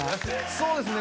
そうですね